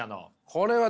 これは。